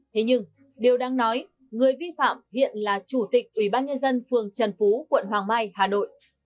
thế nhưng điều đáng nói người vi phạm hiện là chủ tịch ubnd phường trần phú quận hoàng mai hà nội